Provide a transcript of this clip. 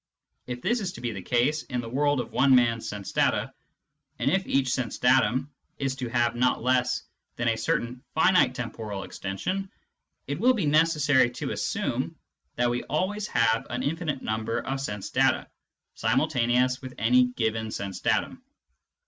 If this is to be the case in the world of one man's sense data, and if each sense datum is to have not less than a certain finite temporal extension, it will be necessary to assume that we always have an infinite number of sense data simultaneous with any given sense datum.